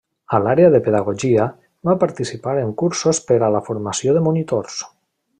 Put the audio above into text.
A l'àrea de Pedagogia, va participar en Cursos per a la Formació de Monitors.